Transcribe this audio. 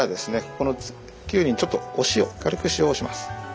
このきゅうりにちょっとお塩軽く塩をします。